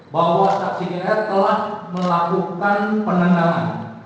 bahwa saksi gr telah melakukan penendangan